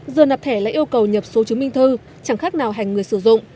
giờ nạp thẻ lại yêu cầu nhập số chứng minh thư chẳng khác nào hành người sử dụng